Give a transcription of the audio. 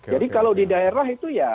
jadi kalau di daerah itu ya